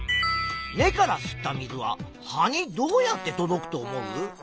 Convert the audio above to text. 根から吸った水は葉にどうやって届くと思う？